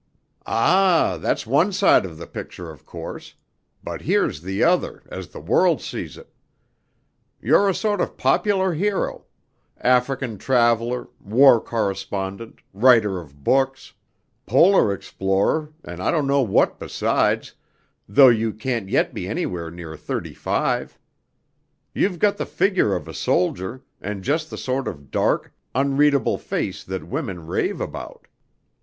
"Ah, that's one side of the picture, of course; but here's the other, as the world sees it. You're a sort of popular hero African traveller, war correspondent, writer of books. Polar explorer, and I don't know what besides, though you can't yet be anywhere near thirty five. You've got the figure of a soldier, and just the sort of dark, unreadable face that women rave about.